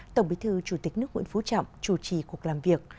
tổng bí thư chủ tịch nước nguyễn phú trọng chủ trì cuộc làm việc